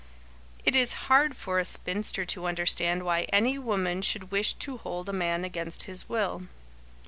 It is hard for a spinster to understand why any woman should wish to hold a man against his will.